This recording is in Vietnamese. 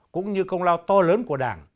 cũng như công lao to lớn của đảng